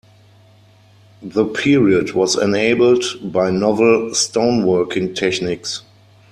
The period was enabled by novel stone working techniques.